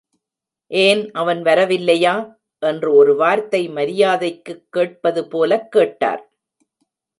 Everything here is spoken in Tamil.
ஏன், அவன் வரவில்லையா? என்று ஒரு வார்த்தை மரியாதைக்குக் கேட்பது போலக் கேட்டார்.